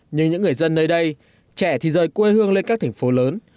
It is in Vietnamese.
nhưng những người dân nơi đây trẻ thì rời quê hương lên các thành phố lớn